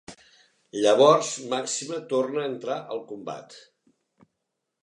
Llavors Maxima torna a entrar al combat.